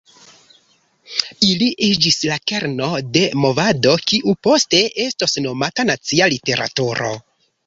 Ili iĝis la kerno de movado kiu poste estos nomata nacia literaturo.